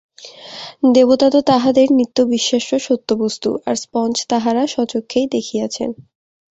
দেবতা তো তাঁহাদের নিত্য-বিশ্বাস্য সত্যবস্তু, আর স্পঞ্জ তাঁহারা স্বচক্ষেই দেখিয়াছেন।